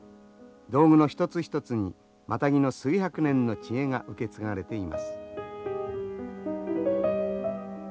道具の一つ一つにマタギの数百年の知恵が受け継がれています。